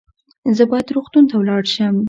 زه باید روغتون ته ولاړ شم